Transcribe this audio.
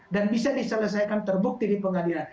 dan bisa diselesaikan terbukti di pengadilan